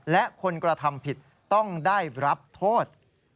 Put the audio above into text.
และคนกระทำผิดต้องได้รับโทษ